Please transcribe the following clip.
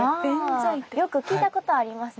よく聞いたことありますね